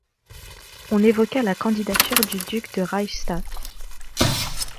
On évoqua la candidature du duc de Reichstadt.